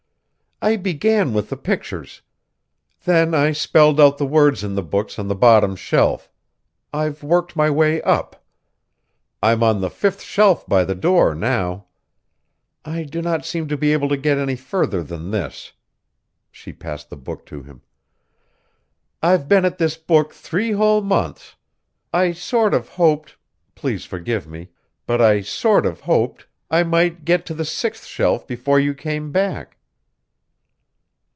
"I began with the pictures. Then I spelled out the words in the books on the bottom shelf; I've worked my way up. I'm on the fifth shelf by the door now. I do not seem to be able to get any further than this " She passed the book to him. "I've been at this book three whole months! I sort of hoped please forgive me, but I sort of hoped I might get to the sixth shelf before you came back!"